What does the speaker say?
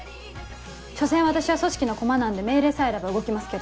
所詮私は組織のコマなんで命令さえあれば動きますけど。